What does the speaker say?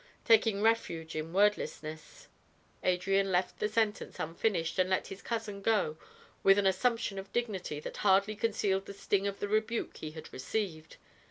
Taking refuge in wordlessness, Adrian left the sentence unfinished and let his cousin go, with an assumption of dignity that hardly concealed the sting of the rebuke he had received.